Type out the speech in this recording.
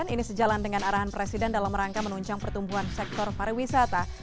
ini sejalan dengan arahan presiden dalam rangka menunjang pertumbuhan sektor pariwisata